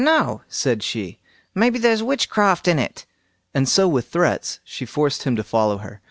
"No", said she, "maybe there's witchcraft in it"; and so with threats she forced him to follow her.